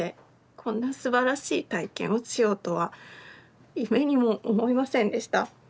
こんなすばらしい体験をしようとは夢にも思いませんでした